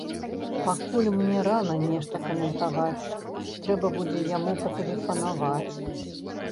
Пакуль мне рана нешта каментаваць, трэба будзе яму патэлефанаваць.